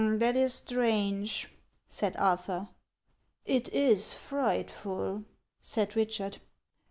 " That is strange," said Arthur. " It is frightful," said Richard.